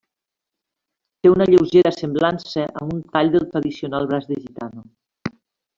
Té una lleugera semblança amb un tall del tradicional braç de gitano.